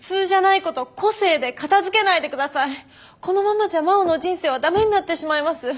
このままじゃ真央の人生はダメになってしまいます。